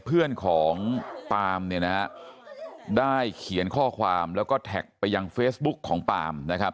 เพื่อนของปาล์มเนี่ยนะฮะได้เขียนข้อความแล้วก็แท็กไปยังเฟซบุ๊กของปาล์มนะครับ